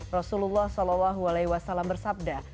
rasulullah saw bersabda